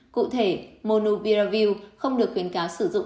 cụ thể monupiravir không được khuyến cáo sử dụng